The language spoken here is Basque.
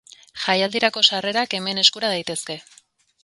Jaialdirako sarrerak hemen eskura daitezke.